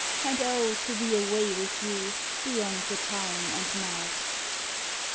And, oh, to be away with you Beyond the town and mart. III.